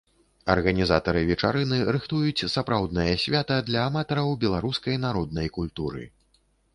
Арганізатары вечарыны рыхтуюць сапраўднае свята для аматараў беларускай народнай культуры.